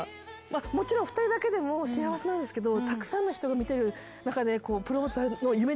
もちろん２人だけでも幸せなんですけど。